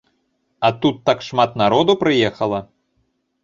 А тут так шмат народу прыехала.